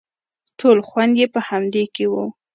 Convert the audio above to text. ټول خوند يې په همدې کښې و.